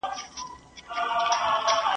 پخوانۍ؟ ته څه پوه شوې؟